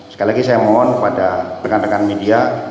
sekali lagi saya mohon kepada rekan rekan media